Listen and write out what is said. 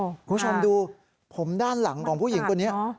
คุณผู้ชมดูผมด้านหลังของผู้หญิงคนนี้